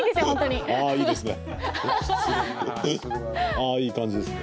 ああいいですね。